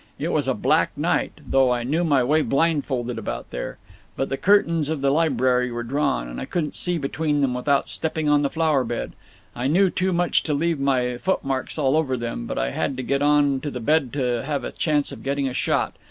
It was a black night, though I knew my way blindfolded about there. But the curtains of the library were drawn, and I couldn't see between them without stepping on the flower bed. I knew too much to leave my footmarks all over them, but I had to get on to the bed to have a chance of getting a shot.